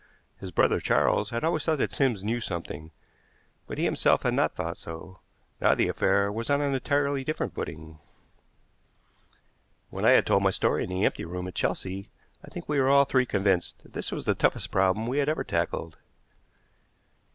His brother Charles had always thought that Sims knew something, but he himself had not thought so. Now the affair was on an entirely different footing. When I had told my story in the empty room at Chelsea I think we were all three convinced that this was the toughest problem we had ever tackled.